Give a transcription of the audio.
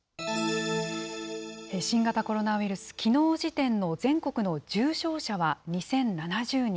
新型コロナウイルス、きのう時点の全国の重症者は２０７０人。